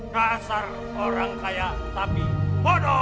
dasar orang kaya tapi bodoh